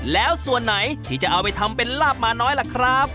แล้วส่วนไหนที่จะเอาไปทำเป็นลาบหมาน้อยล่ะครับ